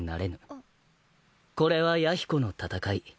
これは弥彦の戦い。